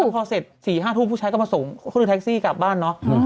พอเสร็จ๔๕ทุ่มผู้ชายก็มาส่งก็คือแท็กซี่กลับบ้านเนอะ